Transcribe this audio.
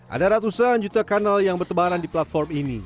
ada ratusan juta kanal yang bertebaran di platform ini